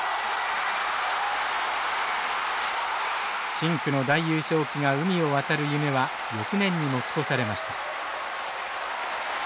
深紅の大優勝旗が海を渡る夢は翌年に持ち越されました。